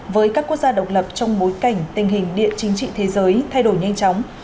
với các quốc gia độc lập trong bối cảnh tình hình địa chính trị thế giới thay đổi nhanh chóng